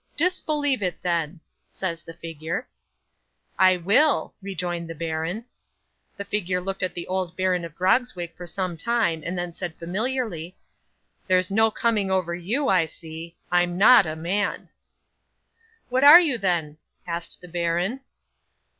'"Disbelieve it then," says the figure. '"I will," rejoined the baron. 'The figure looked at the bold Baron of Grogzwig for some time, and then said familiarly, '"There's no coming over you, I see. I'm not a man!" '"What are you then?" asked the baron.